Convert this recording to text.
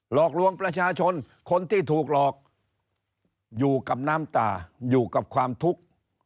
หลอกลวงประชาชนคนที่ถูกหลอกอยู่กับน้ำตาอยู่กับความทุกข์